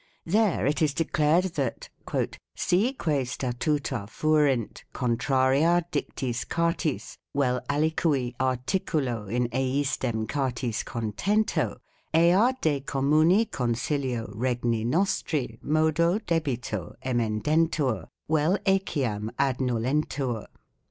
There it is declared that " si que statuta fuerint contraria dictis cartis vel alicui articulo in eisdem cartis contento, ea de communi consilio regni nostri modo debito emendentur vel eciam adnullentur